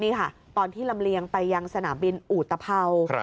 นี่ค่ะตอนที่ลำเลียงไปยังสนามบินอุตภัวร์